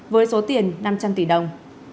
với số tiền năm trăm linh tỷ đồng